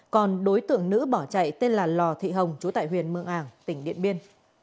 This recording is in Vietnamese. còn đối tượng nữ bỏ chạy tên là lò thị hồng chú tại huyện mường ảng tỉnh điện biên